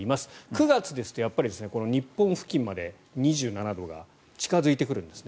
９月ですと日本付近まで２７度が近づいてくるんです。